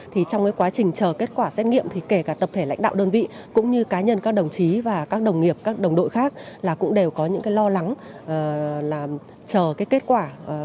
trong quá trình chờ kết quả xét nghiệm thì kể cả tập thể lãnh đạo đơn vị cũng như cá nhân các đồng chí và các đồng nghiệp các đồng đội khác là cũng đều có những lo lắng chờ kết quả